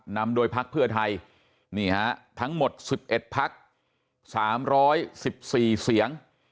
นำโดยภักดิ์เพื่อไทยนี่ฮะทั้งหมด๑๑พักสามร้อยสิบสี่เสียง